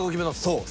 そう。